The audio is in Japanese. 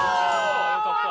よかった！